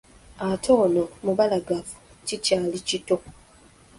Ate ono mubalagavu, kikyali kito.